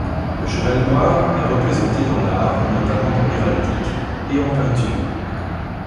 Le cheval noir est représenté dans l'art, notamment dans l'héraldique, et en peinture.